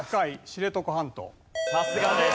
さすがです。